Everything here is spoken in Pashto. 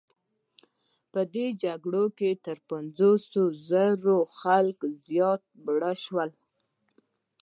په دې جګړو کې تر پنځوس زره خلکو زیات مړه شول.